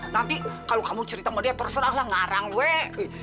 nanti kalau kamu cerita sama dia terserahlah ngarang weh